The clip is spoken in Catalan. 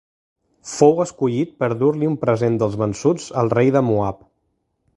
Fou escollit per dur-li un present dels vençuts al rei de Moab.